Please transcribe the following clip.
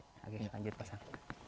oke lanjut pasang